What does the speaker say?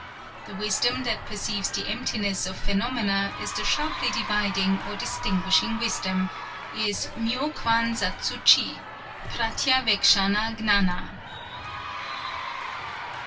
_" The wisdom that perceives the emptiness of phenomena, is the sharply dividing, or distinguishing wisdom, is Myō kwan zatsu chi (Pratyavekshana gñâna).